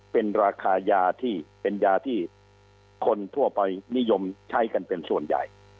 เป็นราคายาที่เป็นยาที่คนทั่วไปนิยมใช้กันเป็นส่วนใหญ่